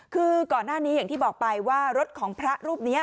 คือก่อนหน้านี้อย่างที่บอกไปว่ารถของพระรูปนี้